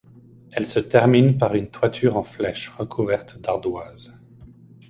Elle se termine par une toiture en flèche recouverte d'ardoises.